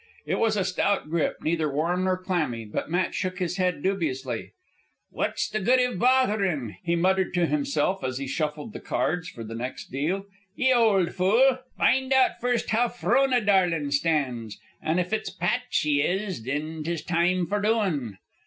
It was a stout grip, neither warm nor clammy, but Matt shook his head dubiously. "What's the good iv botherin'?" he muttered to himself as he shuffled the cards for the next deal. "Ye old fool! Find out first how Frona darlin' stands, an' if it's pat she is, thin 'tis time for doin'."